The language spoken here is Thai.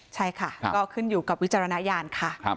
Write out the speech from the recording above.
ใช่ค่ะก็ขึ้นอยู่กับวิจารณญาณค่ะ